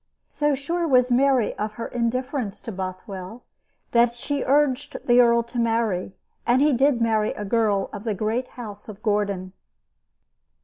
So sure was Mary of her indifference to Bothwell that she urged the earl to marry, and he did marry a girl of the great house of Gordon.